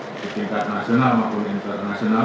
di tingkat nasional maupun internasional